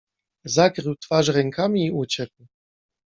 Zakrył twarz rękami i uciekł.